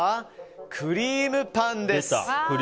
クリームパンです。